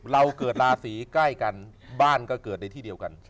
เราเกิดราศีใกล้กันบ้านก็เกิดในที่เดียวกัน